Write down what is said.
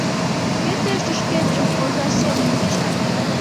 Кӧ тыште шкенжым оза семын куча?